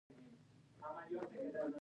او د خلیفه تر څنګ کېناست.